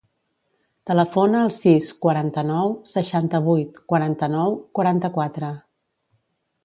Telefona al sis, quaranta-nou, seixanta-vuit, quaranta-nou, quaranta-quatre.